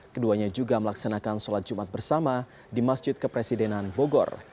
keduanya juga melaksanakan sholat jumat bersama di masjid kepresidenan bogor